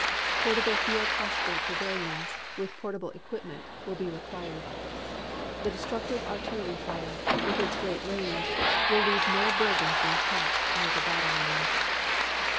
Portable field hospital pavilions, with portable equipment, will be required. The destructive artillery fire, with its great range, will leave no buildings intact near the battle line.